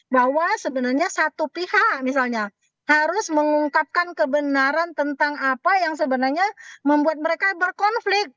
bahwa sebenarnya satu pihak misalnya harus mengungkapkan kebenaran tentang apa yang sebenarnya membuat mereka berkonflik